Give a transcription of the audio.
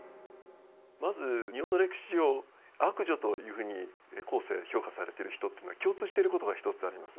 まず日本の歴史上悪女というふうに後世評価されてる人っていうのは共通してることが一つあります。